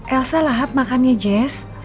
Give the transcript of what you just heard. elsa lahap makannya jess